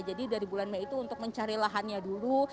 jadi dari bulan mei itu untuk mencari lahannya dulu